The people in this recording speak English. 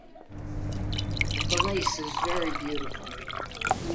The lace is very beautiful.